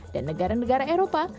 dan negara negara eropa